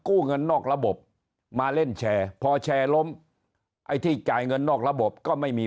เงินนอกระบบมาเล่นแชร์พอแชร์ล้มไอ้ที่จ่ายเงินนอกระบบก็ไม่มี